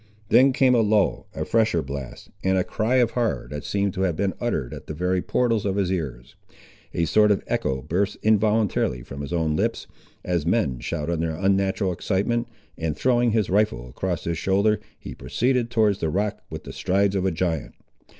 Then came a lull, a fresher blast, and a cry of horror that seemed to have been uttered at the very portals of his ears. A sort of echo burst involuntarily from his own lips, as men shout under unnatural excitement, and throwing his rifle across his shoulder he proceeded towards the rock with the strides of a giant.